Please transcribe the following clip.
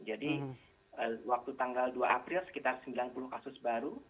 jadi waktu tanggal dua april sekitar sembilan puluh kasus baru